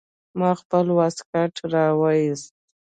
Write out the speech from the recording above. ما خپل واسکټ راوايست.